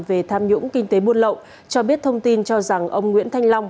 về tham nhũng kinh tế buôn lậu cho biết thông tin cho rằng ông nguyễn thanh long